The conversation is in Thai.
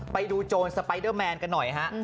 ไปดูโจนสไตเเตอร์แมนกันหน่อยฮะ